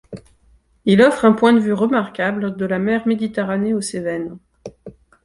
Il offre un point de vue remarquable, de la mer Méditerranée aux Cévennes.